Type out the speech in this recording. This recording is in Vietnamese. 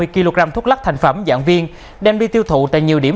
ba mươi kg thuốc lắc thành phẩm dạng viên đem đi tiêu thụ tại nhiều điểm